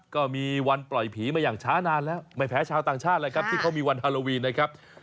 ก็มีวันปล่อยผีมาอย่างช้านานแล้วไม่แพ้ชาวต่างชาติเลยครับที่เขามีวันฮาโลวีนนะครับ